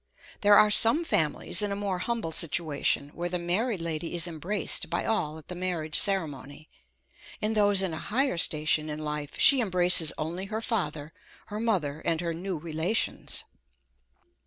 There are some families in a more humble situation, where the married lady is embraced by all at the marriage ceremony; in those in a higher station in life, she embraces only her father, her mother, and her new relations.